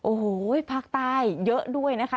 โอ้โหภาคใต้เยอะด้วยนะคะ